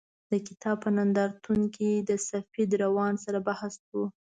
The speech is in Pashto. د کتاب په نندارتون کې د سفید روان سره بحث و.